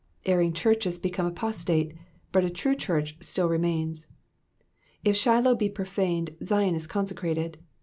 Erring churches become apostate, but a true church still remains ; if Shiloh be profaned Zion is consecrated.